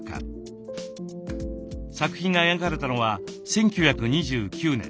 作品が描かれたのは１９２９年。